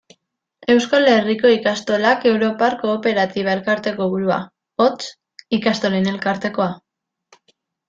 Euskal Herriko Ikastolak europar kooperatiba-elkarteko burua, hots, Ikastolen Elkartekoa.